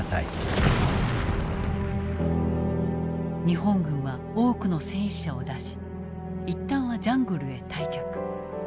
日本軍は多くの戦死者を出し一旦はジャングルへ退却。